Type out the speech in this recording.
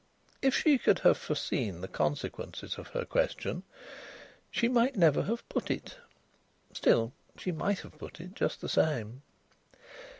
If she could have foreseen the consequences of her question, she might never have put it. Still, she might have put it just the same.